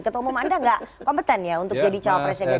ketua umum anda tidak kompeten ya untuk jadi calon presiden ganjar